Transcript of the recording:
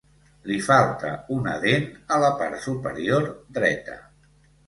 Li falta una dent a la part superior dreta.